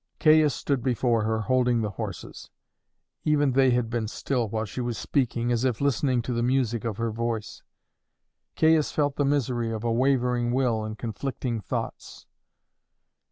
Caius stood before her holding the horses; even they had been still while she was speaking, as if listening to the music of her voice. Caius felt the misery of a wavering will and conflicting thoughts.